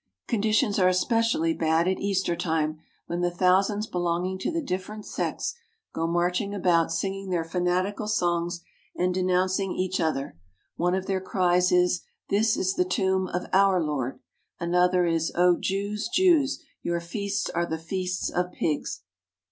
Conditions are especially bad at Easter time when the thousands belonging to the different sects go marching about singing their fanatical songs and denouncing each other. One of their cries is: "This is the tomb of our Lord." Another is: "Oh, Jews! Jews! your feasts are the feasts of pigs."